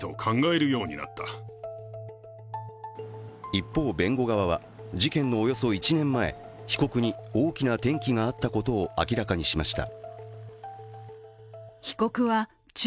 一方、弁護側は事件のおよそ１年前、被告に大きな転機があったことを明らかにしました。